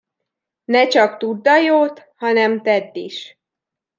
Ne csak tudd a jót, hanem tedd is.